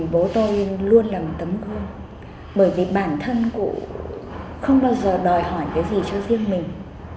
bố tôi luôn là một tấm gương bởi vì bản thân cụ không bao giờ đòi hỏi cái gì cho riêng mình